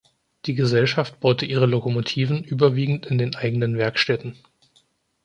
Die Gesellschaft baute ihre Lokomotiven überwiegend in den eigenen Werkstätten.